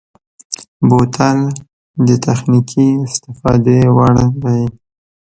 بوتل د تخنیکي استفادې وړ دی.